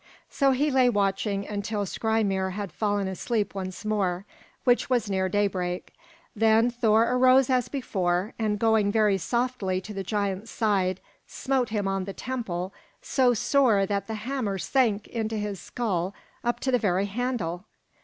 So he lay watching until Skrymir had fallen asleep once more, which was near daybreak; then Thor arose as before, and going very softly to the giant's side, smote him on the temple so sore that the hammer sank into his skull up to the very handle.